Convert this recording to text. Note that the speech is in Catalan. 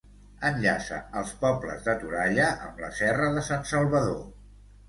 Enllaça els pobles de Toralla amb la Serra de Sant Salvador.